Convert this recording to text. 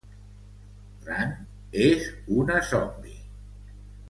Rand és una zombi.